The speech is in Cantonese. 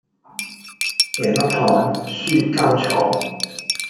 贏粒糖輸間廠